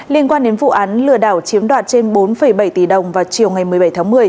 liên quan đến vụ án lừa đảo chiếm đoạt trên bốn bảy tỷ đồng vào chiều ngày một mươi bảy tháng một mươi